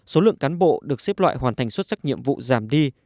số lượng cán bộ được xếp loại hoàn thành xuất sắc nhiệm vụ giảm đi